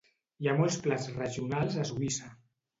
Hi ha molts plats regionals a Suïssa.